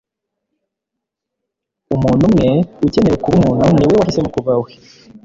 umuntu umwe ugenewe kuba umuntu ni we wahisemo kuba we